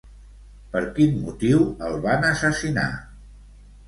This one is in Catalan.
Per quin motiu el van assassinar?